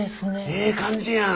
ええ感じやん。